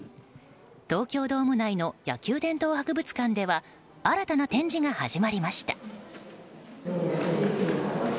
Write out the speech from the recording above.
東京ドーム内の野球殿堂博物館では新たな展示が始まりました。